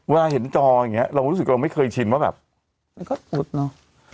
เวลาเห็นจออย่างนี้เราก็รู้สึกเราไม่เคยชินว่าแบบมันก็อุ๊ดเนอะ